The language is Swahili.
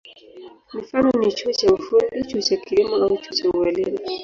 Mifano ni chuo cha ufundi, chuo cha kilimo au chuo cha ualimu.